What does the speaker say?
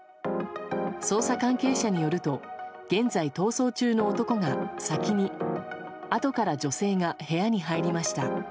捜査関係者によると現在逃走中の男が先にあとから女性が部屋に入りました。